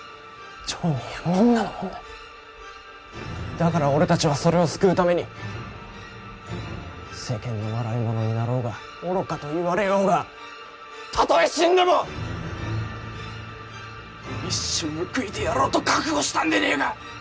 だから俺たちはそれを救うために世間の笑い者になろうが愚かと言われようがたとえ死んでも一矢報いてやろうと覚悟したんでねぇか！